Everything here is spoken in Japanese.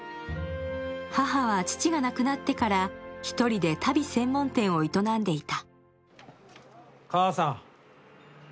母は、父が亡くなってから１人で足袋専門店を営んでいた。